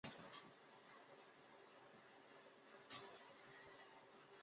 琉科忒亚是希腊神话中一个宁芙。